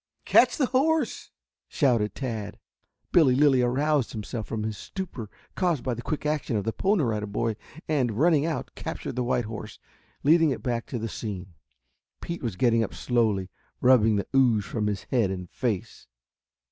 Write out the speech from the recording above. "Catch the horse!" shouted Tad. Billy Lilly aroused himself from his stupor caused by the quick action of the Pony Rider Boy, and, running out, captured the white horse, leading it back to the scene. Pete was getting up slowly, rubbing the ooze from his head and face.